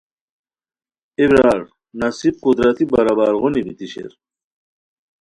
ائے برار نصیب قدرتی برابر غونی بیتی شیر